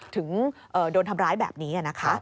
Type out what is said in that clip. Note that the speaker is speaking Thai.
ถึงโดนทำร้ายแบบนี้นะคะ